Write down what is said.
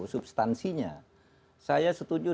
substansinya saya setuju